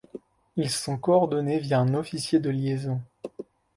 Ils sont coordonnés via un officier de liaison.